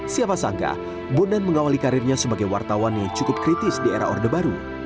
siapa sangka bondan mengawali karirnya sebagai wartawan yang cukup kritis di era orde baru